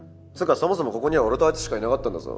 そもそもここには俺とあいつしかいなかったんだぞ。